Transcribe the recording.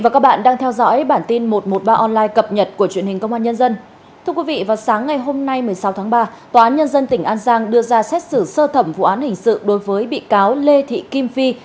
cảm ơn các bạn đã theo dõi